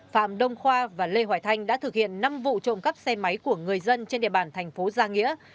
phạm đông khoa và lê hoài thanh đã thực hiện năm vụ trộm cắp xe máy của người dân trên địa bàn thành phố gia nghĩa